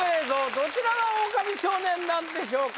どちらがオオカミ少年なんでしょうか？